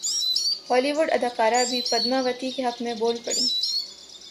Holi would اداکارہ بھی پدماوتی کے حق میں بول پڑیں